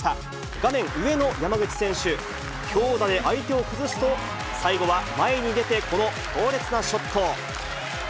画面上の山口選手、強打で相手を崩すと、最後は前に出て、この強烈なショット。